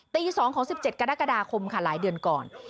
ตี๒ของ๑๗กรกฎาคมค่ะหลายเดือนก่อน